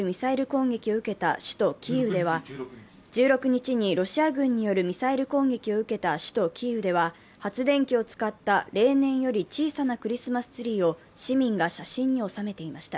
１６日にロシア軍によるミサイル攻撃を受けた首都キーウでは発電機を使った例年より小さなクリスマスツリーを市民が写真に収めていました。